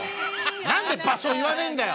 なんで場所言わねえんだよ！